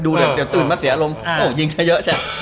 เดี๋ยวตื่นมาเสียอารมณ์โอ้ยิงซะเยอะใช่ไหม